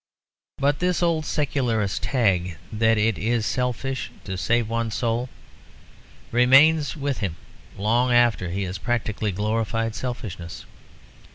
But this old secularist tag, that it is selfish to save one's soul, remains with him long after he has practically glorified selfishness.